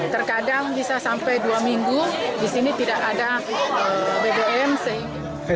terkadang bisa sampai dua minggu di sini tidak ada bbm sehingga